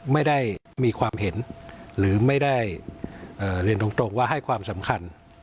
ไม่ได้มีความเห็นหรือไม่ได้เรียนตรงว่าให้ความสำคัญ